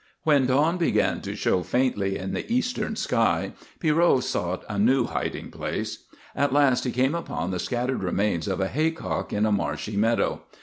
When dawn began to show faintly in the eastern sky Pierrot sought a new hiding place. At last he came upon the scattered remains of a haycock in a marshy meadow.